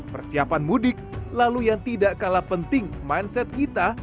persiapan mudik lalu yang tidak kalah penting mindset kita